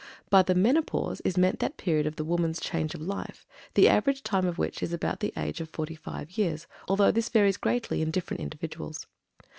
By the MENOPAUSE is meant that period of the woman's "change of life," the average time of which is about the age of forty five years, although this varies greatly in different individuals.